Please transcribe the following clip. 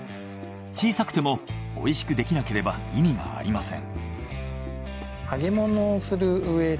小さくてもおいしくできなければ意味がありません。